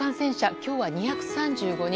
今日は２３５人。